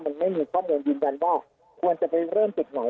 มันไม่มีความเรือนเย็นยันว่าควรจะไปเริ่มติดหน่อย